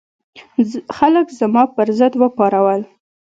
خلک زما پر ضد وپارول.